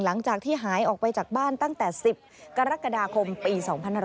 หลังจากที่หายออกไปจากบ้านตั้งแต่๑๐กรกฎาคมปี๒๕๕๙